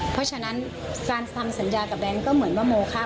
เพราะฉะนั้นการทำสัญญากับแบงค์ก็เหมือนว่าโมคะ